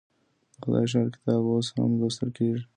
د خدای ښار کتاب اوس هم لوستل کيږي.